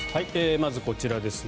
まずこちらですね。